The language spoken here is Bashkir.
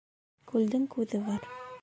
Күлдең күҙе бар